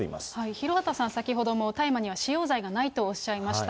廣畑さん、先ほども大麻には使用罪がないとおっしゃいました。